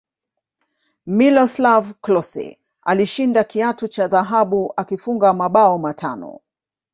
miloslav klose alishinda kiatu cha dhahabu akifunga mabao matano